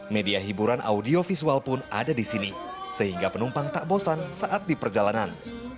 media hiburan audio visual pun ada di sini sehingga penumpang tak bosan saat di perjalanan